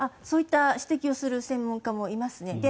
そういった指摘をする専門家もいますね。